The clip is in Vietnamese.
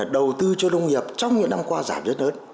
đầu tư cho nông nghiệp trong những năm qua giảm rất lớn